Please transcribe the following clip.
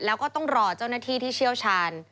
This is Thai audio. แล้วก็ต้องรอเจ้าหน้าที่ที่เชี่ยวชาญ